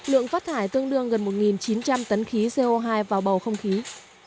lượng phát thải tương đương gần một chín trăm linh tấn khí co hai vào bầu không khí